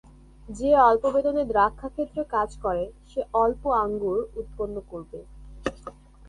যে অল্প বেতনে দ্রাক্ষাক্ষেত্রে কাজ করে, সে অল্প আঙ্গুর উৎপন্ন করবে।